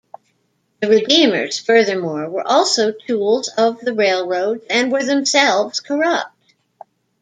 The Redeemers, furthermore, were also tools of the railroads and were themselves corrupt.